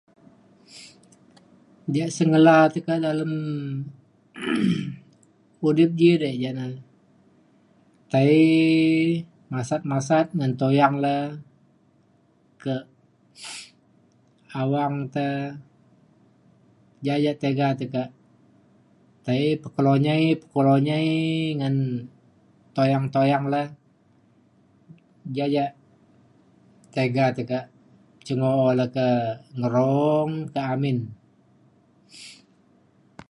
ja' sengelaya tekek dalem dalem udip ji dik jane tai masat masat ngan toyang le ke awang te, ja je' tega tekek tai pengelonyai pengelonyai ngan toyang toyang le ja je tega tekak cung o'o le ke ngero'ong ke amin.